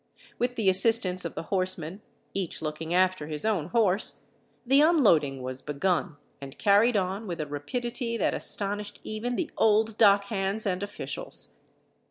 With the assistance of the horsemen, each looking after his own horse, the unloading was begun and carried on with a rapidity that astonished even the old dock hands and officials.